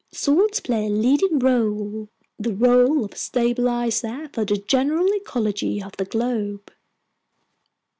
Salts play a leading role, the role of stabilizer for the general ecology of the globe!"